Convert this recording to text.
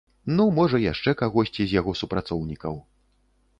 Ну, можа, яшчэ кагосьці з яго супрацоўнікаў.